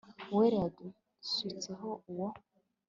wera yadusutseho uwo